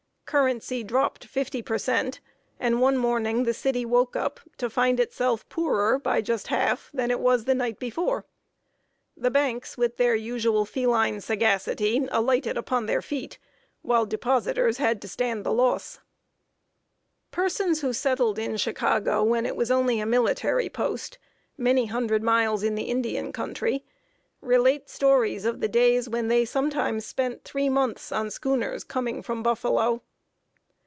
Currency dropped fifty per cent., and one morning the city woke up to find itself poorer by just half than it was the night before. The banks, with their usual feline sagacity, alighted upon their feet, while depositors had to stand the loss. [Sidenote: CURIOUS REMINISCENCES OF CHICAGO.] Persons who settled in Chicago when it was only a military post, many hundred miles in the Indian country, relate stories of the days when they sometimes spent three months on schooners coming from Buffalo.